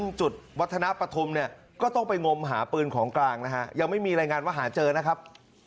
ทุกจุดวัฒนปฐมก็ต้องไปงมหาปืนของกลางยังไม่มีรายงานว่าหาเจอนะครับ